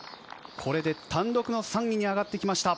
これで単独の３位に上がってきました。